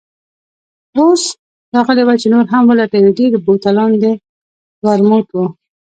اوس راغلې وه چې نور هم ولټوي، ډېری بوتلان د ورموت وو.